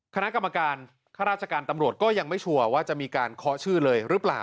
คณะกรรมการข้าราชการตำรวจก็ยังไม่ชัวร์ว่าจะมีการเคาะชื่อเลยหรือเปล่า